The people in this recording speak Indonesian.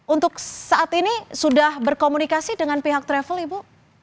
untuk saat ini sudah berkomunikasi dengan pihak travel ibu